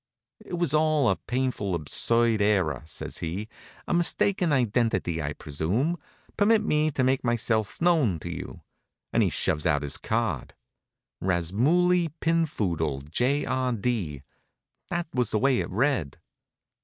"It was all a painful, absurd error," says he, "a mistaken identity, I presume. Permit me to make myself known to you," and he shoves out his card. Rasmulli Pinphoodle, J. R. D. that was the way it read.